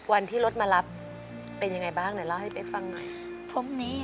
วันที่รถมารับเป็นอย่างไรบ้างเดี๋ยวเล่าให้เป๊กฟังหน่อย